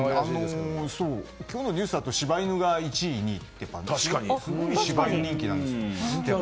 今日のニュースだと柴犬が１位、２位と柴犬人気なんですね。